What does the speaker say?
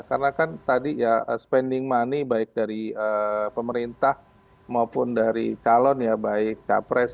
karena kan tadi ya spending money baik dari pemerintah maupun dari calon ya baik capres